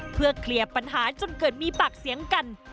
เพื่อเคลียร์ปัญหาจนเกิดมีปากเสียงกัน